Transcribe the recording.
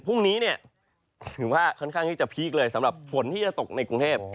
พรุ่งนี้เนี่ยถือว่าค่อนข้างที่จะพีคเลยสำหรับฝนที่จะตกในกรุงเทพ